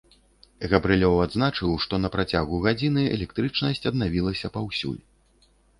Габрылёў адзначыў, што на працягу гадзіны электрычнасць аднавілася паўсюль.